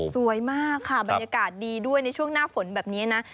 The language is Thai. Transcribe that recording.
สวยมากค่ะบรรยากาศดีด้วยในช่วงหน้าฝนแบบนี้นะ